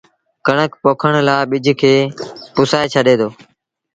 ڪڻڪ پوکڻ لآ ٻج کي پُسآئي ڇڏي دو